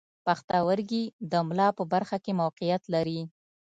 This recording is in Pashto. پښتورګي د ملا په برخه کې موقعیت لري.